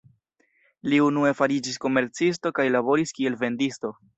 Li unue fariĝis komercisto kaj laboris kiel vendisto.